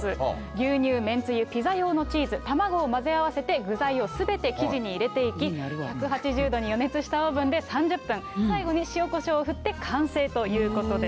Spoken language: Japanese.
牛乳、めんつゆ、ピザ用のチーズ、卵を混ぜ合わせて具材をすべて生地に入れていき、１８０度に予熱したオーブンで３０分、最後に塩こしょうを振って完成ということです。